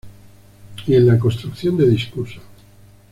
Y en la construcción de discurso.